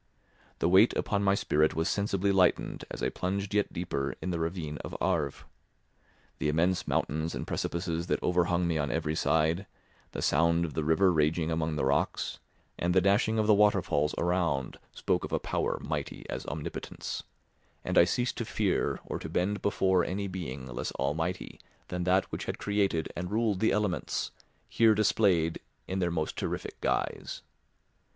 The weight upon my spirit was sensibly lightened as I plunged yet deeper in the ravine of Arve. The immense mountains and precipices that overhung me on every side, the sound of the river raging among the rocks, and the dashing of the waterfalls around spoke of a power mighty as Omnipotence—and I ceased to fear or to bend before any being less almighty than that which had created and ruled the elements, here displayed in their most terrific guise.